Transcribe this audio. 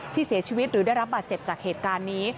ที่เสียชีวิตหรือได้รับบาดเจ็บจากเหตุการณ์นี้